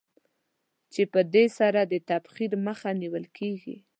چې په دې سره د تبخیر مخه نېول کېږي.